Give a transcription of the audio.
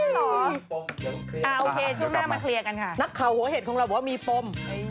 นักเข่าหัวเห็ดของเราบอกว่ามีปม